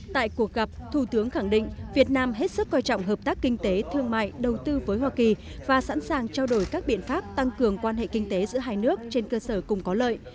tại cuộc gặp thủ tướng khẳng định việt nam hết sức coi trọng hợp tác kinh tế thương mại đầu tư với hoa kỳ và sẵn sàng trao đổi các biện pháp tăng cường quan hệ kinh tế giữa hai nước trên cơ sở cùng có lợi